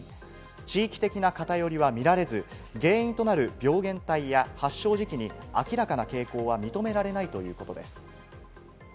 地域的な偏りはみられず、原因となる病原体や発症時期に明らかな傾向は認められないということです。